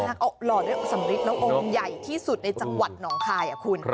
หล่อด้วยสำริดแล้วองค์ใหญ่ที่สุดในจังหวัดหนองคายคุณ